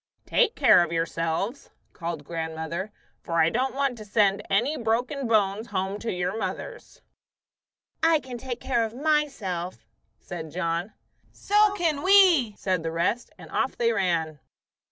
"Take care of yourselves," called grandmother, "for I don't want to send any broken bones home to your mothers." "I can take care of myself," said John. "So can we," said the rest; and off they ran.